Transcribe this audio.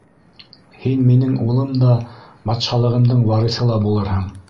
Һин минең улым да, батшалығымдың вариҫы ла булырһың.